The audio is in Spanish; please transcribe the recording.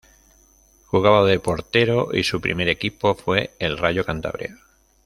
Jugaba de portero y su primer equipo fue el Rayo Cantabria.